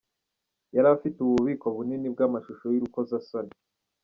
Yari afite ububiko bunini bw’amashusho y’urukozasoni .